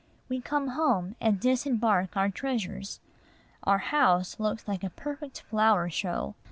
We come home, and disembark our treasures. Our house looks like a perfect flower show.